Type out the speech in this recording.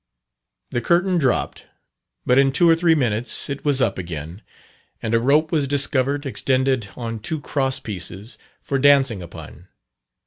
The curtain dropped; but in two or three minutes it was again up, and a rope was discovered, extended on two cross pieces, for dancing upon.